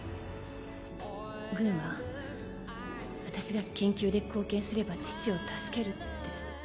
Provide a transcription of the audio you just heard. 軍は私が研究で貢献すれば父を助けるって。